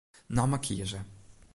Namme kieze.